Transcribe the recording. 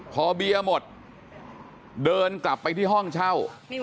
พอเบียร์หมดเดินกลับไปที่ห้องเช่า